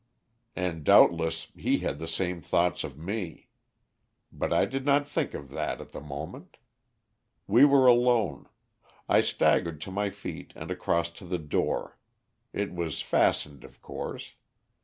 And doubtless he had the same thoughts of me. But I did not think of that at the moment. "We were alone. I staggered to my feet and across to the door. It was fastened, of course.